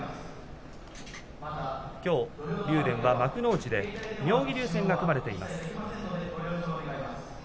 きょうは竜電が幕内で妙義龍戦が組まれています。